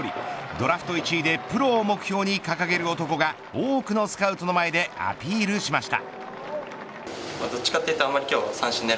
ドラフト１位でプロを目標に掲げる男が多くのスカウトの前でアピールしました。